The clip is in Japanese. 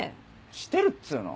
してるっつうの。